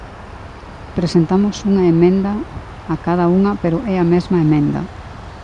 Presentamos unha emenda a cada unha pero é a mesma emenda.